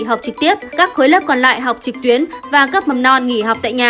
học trực tiếp các khối lớp còn lại học trực tuyến và cấp mầm non nghỉ học tại nhà